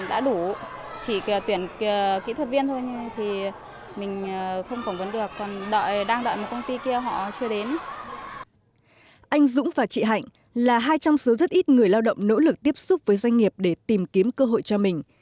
anh dũng và chị hạnh là hai trong số rất ít người lao động nỗ lực tiếp xúc với doanh nghiệp để tìm kiếm cơ hội cho mình